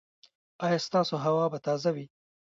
ایا ستاسو هوا به تازه وي؟